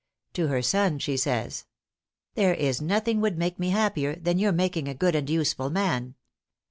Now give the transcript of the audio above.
To her son she says: "There is nothing would make me happier than your making a good and useful man.